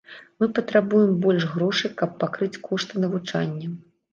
Мы патрабуем больш грошай, каб пакрыць кошты навучання.